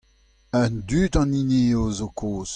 An dud an hini eo zo kaoz.